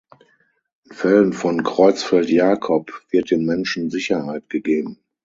In Fällen von Creutzfeldt-Jakob wird den Menschen Sicherheit gegeben.